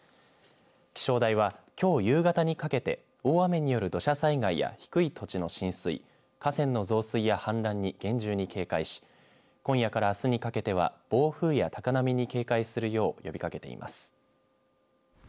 気象台は、きょう夕方にかけて大雨による土砂災害や低い土地の浸水河川の増水や氾濫に厳重に警戒し今夜からあすにかけては暴風や高波に警戒するよう呼びかけています。